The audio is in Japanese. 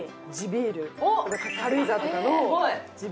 ビール軽井沢とかの地